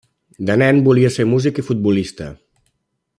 De nen volia ser músic i futbolista.